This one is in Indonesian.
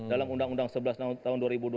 dalam undang undang sebelas tahun dua ribu dua puluh